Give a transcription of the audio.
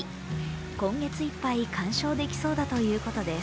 今月いっぱい観賞できそうだということです。